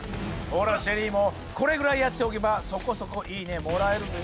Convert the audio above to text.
ほらＳＨＥＬＬＹもこれぐらいやっておけばそこそこ「いいね」もらえるぜ。